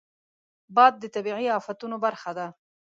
باد د طبیعي افتونو برخه ده